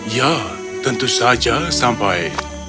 ya tentu saja sampai